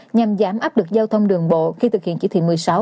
nhằm giảm áp lực giao thông đường bộ khi thực hiện chỉ thị một mươi sáu